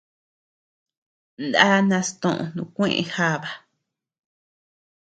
Ná nastoʼö nukueʼë jaba.